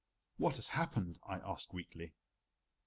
"What has happened?" I asked weakly.